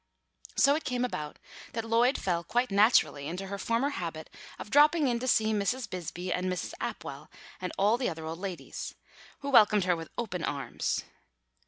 So it came about that Lloyd fell quite naturally into her former habit of dropping in to see Mrs. Bisbee and Mrs. Apwell and all the other old ladies, who welcomed her with open arms.